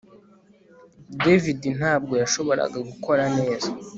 David ntabwo yashoboraga gukora neza